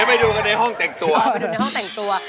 จะไม่ดูในห้องแต่งตัว